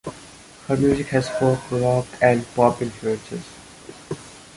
Her music has folk, rock, and pop influences.